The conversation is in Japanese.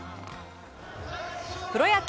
プロ野球。